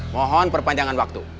mohon perpanjangan waktu